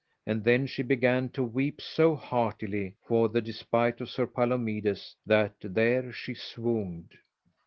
And then she began to weep so heartily for the despite of Sir Palomides that there she swooned.